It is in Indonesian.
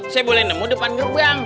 saya boleh nemu depan gerbang